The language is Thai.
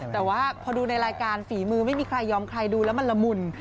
แต่ว่าพอดูในรายการฝีมือไม่มีใครยอมใครดูแล้วมันละมุน